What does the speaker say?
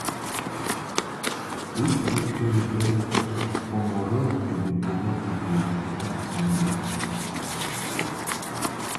This victory helped Pomeroy to be promoted to Works Manager.